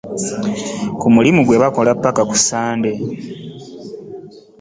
Ku mulimu gwe bakola ppaka ku Ssande.